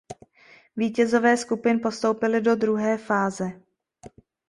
Vítězové skupin postoupili do druhé fáze.